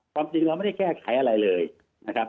ความจริงเราไม่ได้แก้ไขอะไรเลยนะครับ